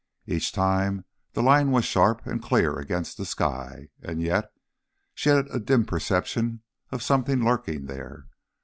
Each time the line was sharp and clear against the sky, and yet she had a dim perception of something lurking there.